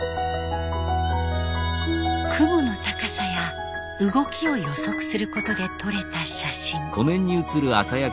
雲の高さや動きを予測することで撮れた写真。